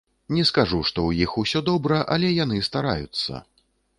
Не скажу, што ў іх усё добра, але яны стараюцца.